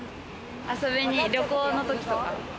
遊びに、旅行の時とか。